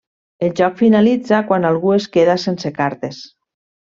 El joc finalitza quan algú es queda sense cartes.